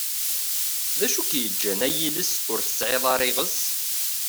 D acu i k-yeĝĝan ay iles ur tesεiḍ ara iɣes?